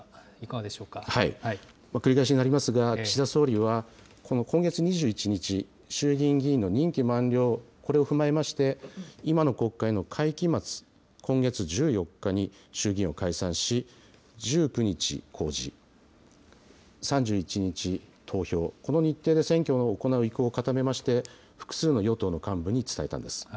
繰り返しになりますが、岸田総理は、この今月２１日、衆議院議員の任期満了、これを踏まえまして、今の国会の会期末、今月１４日に衆議院を解散し１９日公示、３１日投票、この日程で選挙を行う意向を固めまして、複数の与党の幹部に伝えたんです。